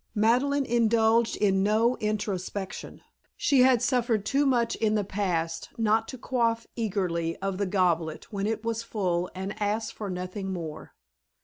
Madeleine indulged in no introspection. She had suffered too much in the past not to quaff eagerly of the goblet when it was full and ask for nothing more.